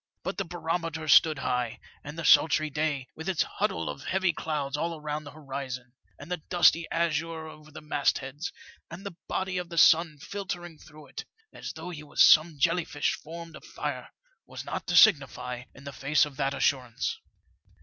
But the barometer stood high ; and the sultry day, with its huddle of heavy clouds all around the horizon, and the dusty azure over the mastheads, and the body of the sun filtering through it, as though he FOUL OF A WATERSPOUT. Tt "was some jelly fish formed of fire, was not to signify in the face of that assurance.